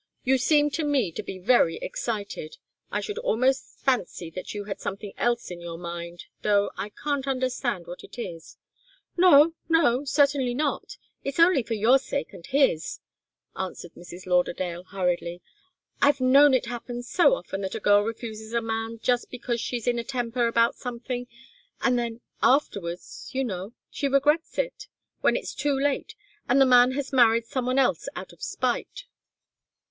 "You seem to me to be very excited. I should almost fancy that you had something else in your mind, though I can't understand what it is." "No no; certainly not. It's only for your sake and his," answered Mrs. Lauderdale, hurriedly. "I've known it happen so often that a girl refuses a man just because she's in a temper about something, and then afterwards, you know she regrets it, when it's too late, and the man has married some one else out of spite."